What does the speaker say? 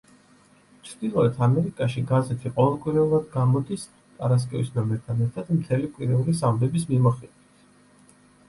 ჩრდილოეთ ამერიკაში გაზეთი ყოველკვირეულად გამოდის, პარასკევის ნომერთან ერთად მთელი კვირეულის ამბების მიმოხილვით.